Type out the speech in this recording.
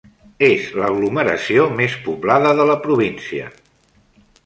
És l'aglomeració més poblada de la província.